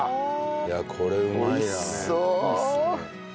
いやこれうまいよね。